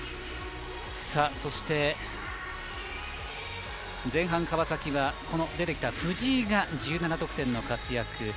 そして、前半、川崎は藤井が１７得点の活躍。